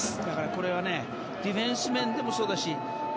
これはディフェンス面でもそうだし